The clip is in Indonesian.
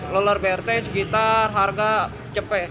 lolar brt sekitar harga cepe